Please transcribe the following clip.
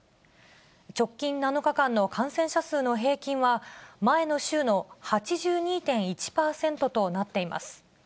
直近７日間の感染者数の平均は、前の週の８２．１％となっています。